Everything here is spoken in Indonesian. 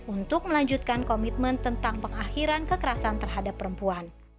untuk melanjutkan komitmen tentang pengakhiran kekerasan terhadap perempuan